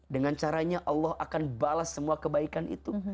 dengan caranya allah akan balas semua kebaikan itu